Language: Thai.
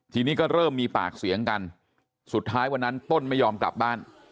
ทีนี้ก็เริ่มมีปากเสียงกันสุดท้ายวันนั้นต้นไม่ยอมกลับบ้าน